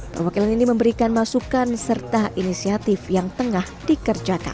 perwakilan ini memberikan masukan serta inisiatif yang tengah dikerjakan